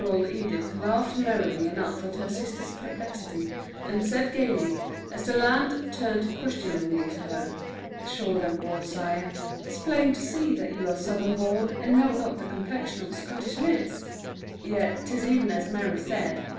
Thirteen year old Edith laughed merrily enough at her sister's perplexity, and said gayly as the lad turned questioningly to her: "Sure, then, beausire, 't is plain to see that you are Southron born and know not the complexion of a Scottish mist. Yet 't is even as Mary said.